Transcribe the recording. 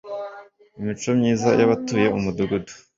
imico myiza y abatuye umudugudu